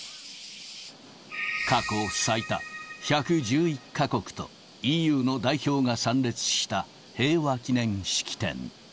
過去最多、１１１か国とＥＵの代表が参列した平和記念式典。